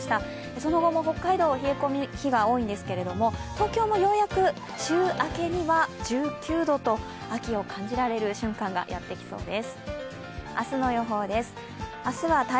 その後も北海道冷え込む日が多いんですけども東京もようやく週明けには１９度と秋を感じられる瞬間がやってきそうです。